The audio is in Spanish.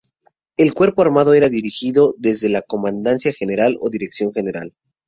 El Cuerpo Armado era dirigido desde la Comandancia General o Dirección General.